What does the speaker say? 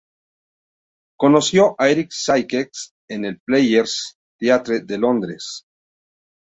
Conoció a Eric Sykes en el Players' Theatre de Londres.